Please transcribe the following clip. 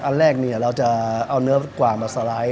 อันแรกเราจะเอาเนื้อกวางมาสไลด์